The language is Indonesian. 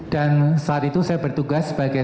dan saat itu saya bertugas sebagai